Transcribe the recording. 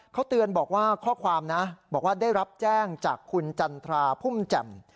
เขาเตือนบอกว่าข้อความนะบอกว่าได้รับแจ้งจากคุณจันทราพุ่มแจ่ม